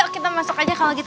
kita masuk aja kalau gitu